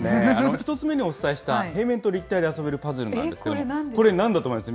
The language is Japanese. １つ目にお伝えした平面と立体で遊べるパズルなんですけれども、これ、なんだと思いますか？